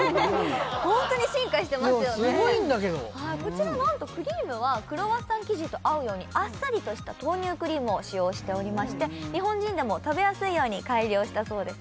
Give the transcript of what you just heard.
ホントに進化してますよねすごいんだけどこちらなんとクリームはクロワッサン生地と合うようにあっさりとした豆乳クリームを使用しておりまして日本人でも食べやすいように改良したそうです